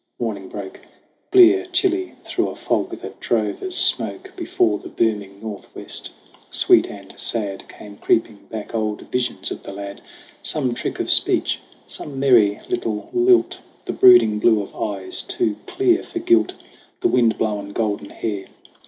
Morning broke, Blear, chilly, through a fog that drove as smoke Before the booming Northwest. Sweet and sad Came creeping back old visions of the lad Some trick of speech, some merry little lilt, The brooding blue of eyes too clear for guilt, The wind blown golden hair.